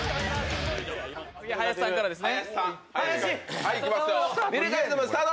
次、林さんからですね。